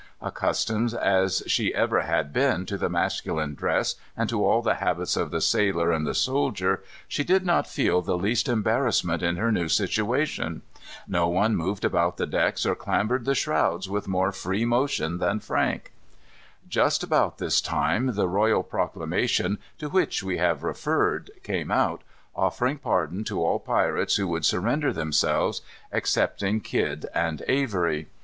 Accustomed as she ever had been to the masculine dress, and to all the habits of the sailor and the soldier, she did not feel the least embarrassment in her new situation. No one moved about the decks or clambered the shrouds with more free motion than Frank. Just about this time the royal proclamation, to which we have referred, came out, offering pardon to all pirates who would surrender themselves, excepting Kidd and Avery.